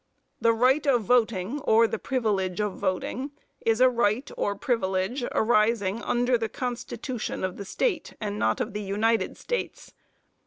The right of voting or the privilege of voting is a right or privilege arising under the constitution of the state, and not of the United States.